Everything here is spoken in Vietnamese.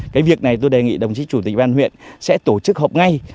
cái việc này tôi đề nghị đồng chí chủ tịch ban huyện sẽ tổ chức họp ngay